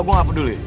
gue enggak peduli